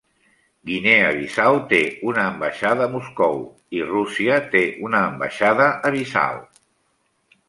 Guinea Bissau té una ambaixada a Moscou, i Rússia té una ambaixada a Bissau.